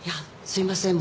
すいません。